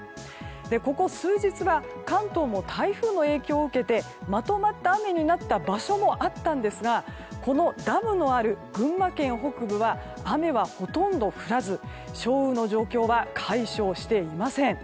ここ数日は関東も台風の影響を受けてまとまった雨になった場所もあったんですがこのダムのある群馬県北部は雨はほとんど降らず少雨の状況は解消していません。